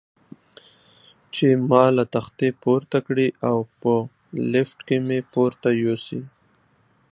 چې ما له تختې پورته کړي او په لفټ کې مې پورته یوسي.